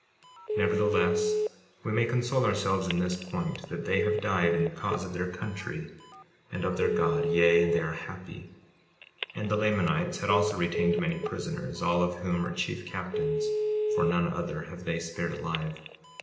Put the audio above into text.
56:11 Nevertheless, we may console ourselves in this point, that they have died in the cause of their country and of their God, yea, and they are happy. 56:12 And the Lamanites had also retained many prisoners, all of whom are chief captains, for none other have they spared alive.